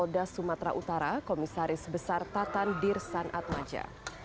kabit humas polda sumatera utara komisaris besar tata dir sanat maja